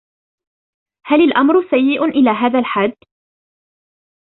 هل الأمر سيّء إلى هذا الحد؟